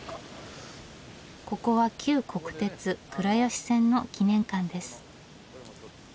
ここは旧国鉄倉吉線の記念館です。